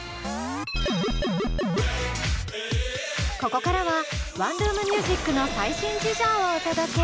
ここからはワンルーム☆ミュージックの最新事情をお届け。